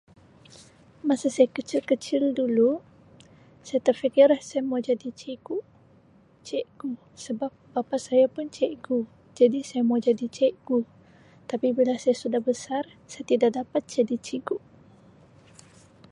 Masa saya kecil-kecil dulu saya terfikir saya mau jadi Cigu, Cikgu sebab bapa saya pun Cikgu jadi saya mau jadi Cikgu tapi bila saya sudah besar saya tidak dapat jadi Cigu.